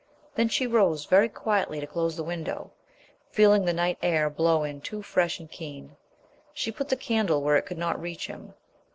Then she rose very quietly to close the window, feeling the night air blow in too fresh and keen. She put the candle where it could not reach him.